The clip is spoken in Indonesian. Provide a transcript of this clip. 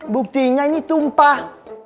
buktinya ini tumpah